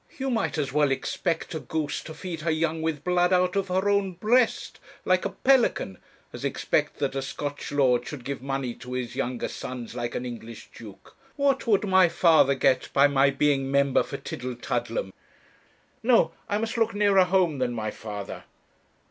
You might as well expect a goose to feed her young with blood out of her own breast, like a pelican, as expect that a Scotch lord should give money to his younger sons like an English duke. What would my father get by my being member for Tillietudlem? No; I must look nearer home than my father.